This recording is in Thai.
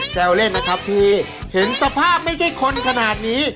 แซวเล่นนะครับพี่เห็นสภาพไม่ใช่คนขนาดนี้